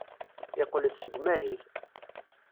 Yeqqel-d seg umahil.